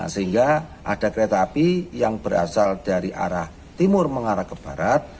sehingga ada kereta api yang berasal dari arah timur mengarah ke barat